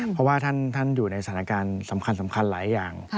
เพราะว่าท่านอยู่ในสถานการณ์สำคัญหลายอย่าง